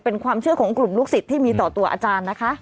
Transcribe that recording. เป็นความเชื่อของกลุ่มลูกศิษย์ที่มีต่อตัวอาจารย์นะคะ